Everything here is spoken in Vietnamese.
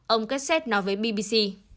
ông kesset nói với bbc